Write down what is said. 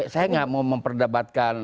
saya gak mau memperdapatkan